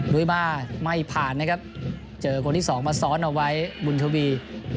วิบ้าไม่ผ่านนะครับเจอคนที่สองมาซ้อนเอาไว้บุญทวี